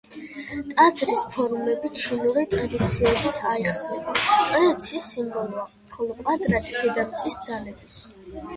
ტაძრის ფორმები ჩინური ტრადიციებით აიხსნება: წრე ცის სიმბოლოა, ხოლო კვადრატი დედამიწის ძალების.